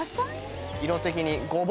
色的に。